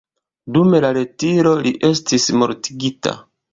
Dum la retiro, li estis mortigita.